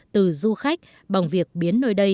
từ du khách bằng việc biến nơi đây